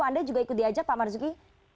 anda juga ikut diajak pak marzuki